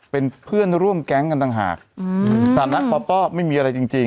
เป็นเพื่อนร่วมแก๊งกันต่างหากสถานะป้อไม่มีอะไรจริง